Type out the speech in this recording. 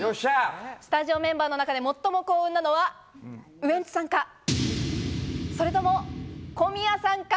スタジオメンバーの中で最も幸運なのは、ウエンツさんか、それとも、小宮さんか？